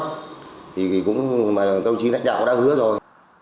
thì cũng mà đồng chí lãnh đạo đã hứa rồi